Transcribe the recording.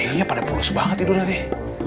iya pada pules banget tidurnya deh